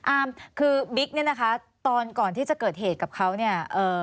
อามคือบิ๊กเนี่ยนะคะตอนก่อนที่จะเกิดเหตุกับเขาเนี่ยเอ่อ